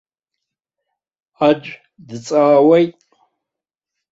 Аӡә дҵаауеит.